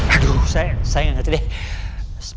aduh saya saya gak ngerti deh